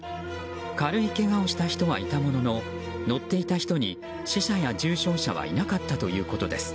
軽いけがをした人はいたものの乗っていた人に死者や重症者はいなかったということです。